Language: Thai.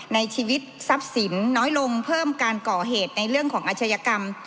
ในชีวิตทรัพย์สินน้อยลงเพิ่มการก่อเหตุในเรื่องของอาชญากรรม